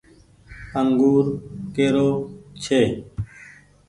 انگور ڪي رو ڇي ۔